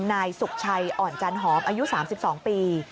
นายสุขชัยอ่อนจันหอมอายุ๓๒ปี